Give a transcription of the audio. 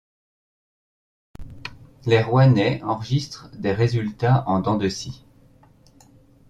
Les Rouennais enregistrent des résultats en dent de scie.